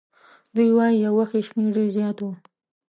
دوی وایي یو وخت یې شمیر ډېر زیات وو.